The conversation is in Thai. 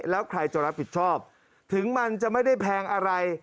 แล้วใครจะรับผิดชอบถึงมันจะไม่ได้แพงอะไร